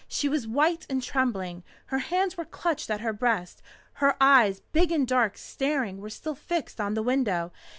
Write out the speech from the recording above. She was white and trembling. Her hands were clutched at her breast. Her eyes, big and dark and staring, were still fixed on the window.